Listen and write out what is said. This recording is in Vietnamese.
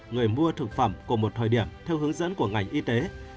người mua thực phẩm của một thời điểm theo hướng dẫn của ngành y tế